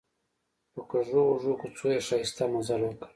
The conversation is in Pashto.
په کږو وږو کوڅو یې ښایسته مزل وکړ.